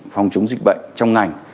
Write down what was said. phòng chống dịch bệnh trong ngành